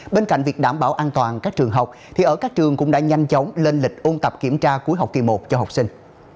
bên cạnh việc đảm bảo an toàn các trường học thì ở các trường cũng đã nhanh chóng lên lịch ôn tập kiểm tra cuối học kỳ một cho học sinh